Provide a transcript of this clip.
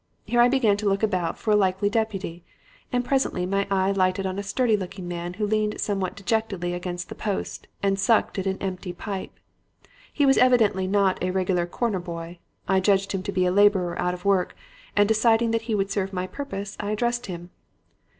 Here I began to look about for a likely deputy; and presently my eye lighted on a sturdy looking man who leaned somewhat dejectedly against a post and sucked at an empty pipe. He was evidently not a regular 'corner boy.' I judged him to be a laborer out of work, and deciding that he would serve my purpose I addressed him.